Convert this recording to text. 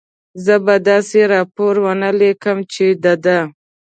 زه به داسې راپور و نه لیکم، چې د ده.